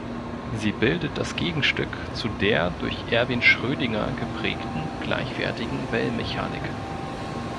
Sie bildet das Gegenstück zu der durch Erwin Schrödinger geprägten gleichwertigen Wellenmechanik.